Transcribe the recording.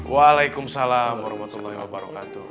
waalaikumsalam warahmatullahi wabarakatuh